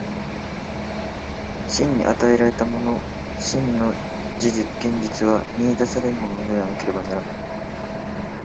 真に与えられたもの、真の現実は見出されるものでなければならない。